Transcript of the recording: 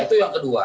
itu yang kedua